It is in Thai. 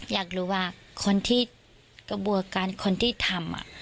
อยากรู้ว่าคนที่กระบวนการคนที่ทำ